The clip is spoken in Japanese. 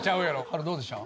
はるどうでした？